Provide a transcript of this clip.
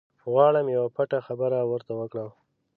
غواړم یوه پټه خبره ورته وکړم.